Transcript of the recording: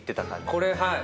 これはい。